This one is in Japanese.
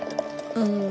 うん。